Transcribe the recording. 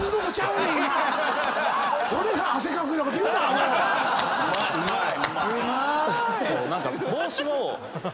うまーい！